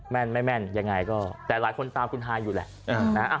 แม่นไม่แม่นยังไงก็แต่หลายคนตามคุณฮายอยู่แหละ